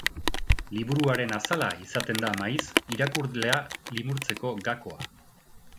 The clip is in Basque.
Liburuaren azala izaten da maiz irakurlea limurtzeko gakoa.